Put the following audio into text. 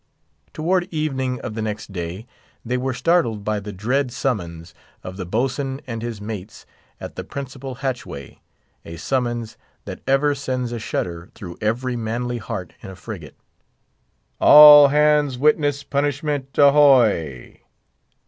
Toward evening of the next day, they were startled by the dread summons of the boatswain and his mates at the principal hatchway—a summons that ever sends a shudder through every manly heart in a frigate: "_All hands witness punishment, ahoy!